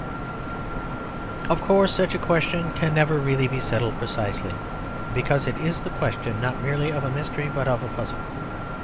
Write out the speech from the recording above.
Of course such a question can never really be settled precisely, because it is the question not merely of a mystery but of a puzzle.